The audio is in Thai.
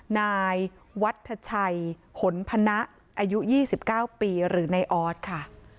นายวัดถัดชัยหลนพนะอายุยี่สิบเก้าปีหรือในออสค่ะ